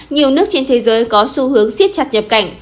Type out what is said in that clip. nhiều nước trên thế giới có xu hướng siết chặt nhập cảnh